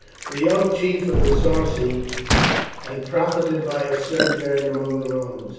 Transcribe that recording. "The young chief of the Sarci has profited by his sojourn among the Romans.